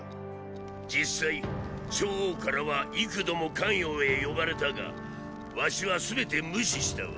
実際昭王からは幾度も咸陽へ呼ばれたが儂は全て無視したわ。